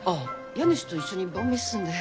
家主と一緒に晩飯すんだよ。